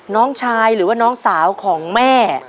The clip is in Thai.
น้องชายหรือว่าน้องสาวของแม่